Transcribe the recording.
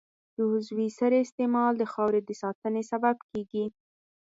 د عضوي سرې استعمال د خاورې د ساتنې سبب کېږي.